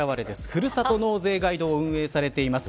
ふるさと納税ガイドを運営されています